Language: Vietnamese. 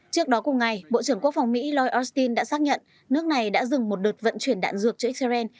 trước đó cùng ngày bộ trưởng quốc phòng mỹ lloyd austin đã xác nhận nước này đã dừng một đợt vận chuyển đạn dược cho israel